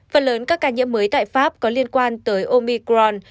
phần lớn các ca nhiễm mới tại pháp có liên quan tới omicron